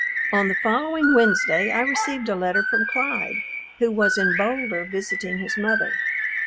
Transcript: On the following Wednesday I received a letter from Clyde, who was in Boulder visiting his mother.